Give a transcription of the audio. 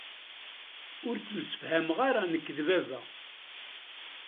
Ur ttemsefhameɣ ara nekk d baba.